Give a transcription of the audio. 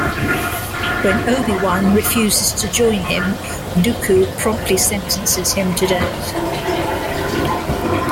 When Obi-Wan refuses to join him, Dooku promptly sentences him to death.